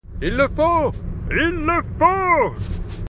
Il le faut, il le faut !